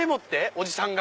おじさんが？